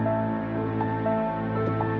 nanti bu mau ke rumah